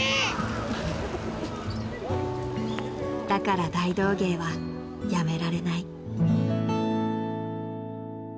［だから大道芸は辞められない］